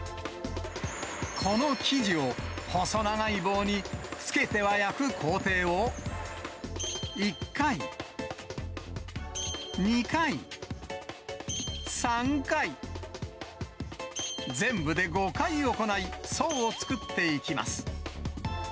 この生地を細長い棒につけては焼く工程を、１回、２回、３回、全部で５回行い、層を作っていきます。